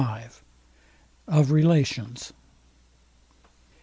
V. OF RELATIONS.